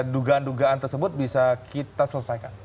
dugaan dugaan tersebut bisa kita selesaikan